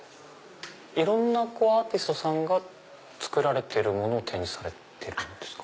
いろんなアーティストさんが作られてるものを展示されてるんですか？